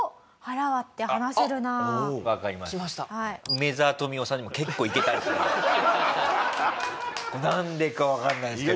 梅沢富美男さんにもなんでかわかんないですけど。